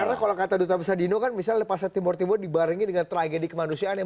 karena kalau kata duta besar dino kan misalnya pas timur timur dibarengi dengan tragedi kemanusiaan